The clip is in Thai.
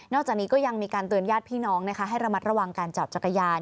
จากนี้ก็ยังมีการเตือนญาติพี่น้องนะคะให้ระมัดระวังการจอดจักรยาน